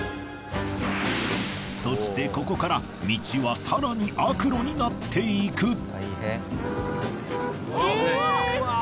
そしてここから道は更に悪路になっていく。